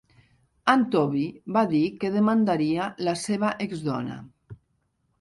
En Toby va dir que demandaria la seva exdona.